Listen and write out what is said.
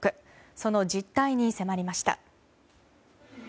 その実態に迫りました。